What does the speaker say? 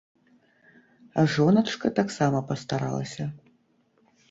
А жоначка таксама пастаралася!